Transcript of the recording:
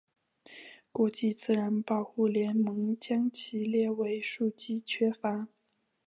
国际自然保护联盟将其列为数据缺乏。